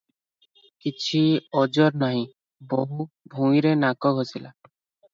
କିଛି ଓଜର ନାହିଁ - ବୋହୂ ଭୁଇଁରେ ନାକ ଘଷିଲା ।